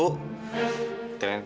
udah lama lama nunggu